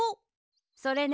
それね。